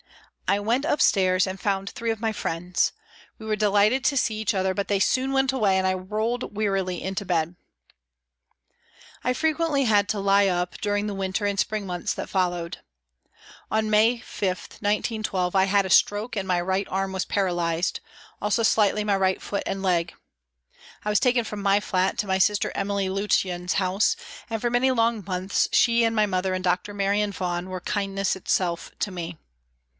I went upstairs and found three of my friends. We were delighted to see each other, but they soon went away, and I rolled wearily into bed. HOLLOWAY REVISITED 335 I frequently had to lie up during the winter and spring months that followed. On May 5, 1912, I had a stroke and my right arm was paralysed ; also, slightly, my right foot and leg. I was taken from my flat to my sister Emily Lutyen's house, and for many long months she and my mother and Dr. Marion Vaughan were kindness itself to me.